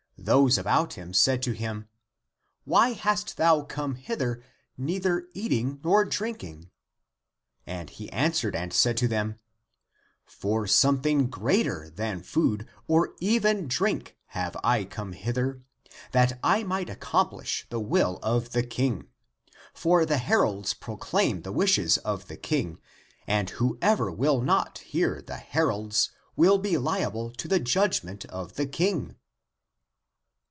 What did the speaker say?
Those about him said to him, " Why hast thou come hither, neither eat ing nor drinking? " And he answered and said to them, " For something greater than food or ACTS OF THOMAS 229 even drink have I come hither, that I might ac compHsh the will of the King. For the heralds pro claim the wishes of the King, and whoever will not hear the heralds will be liable to the judgment of the King."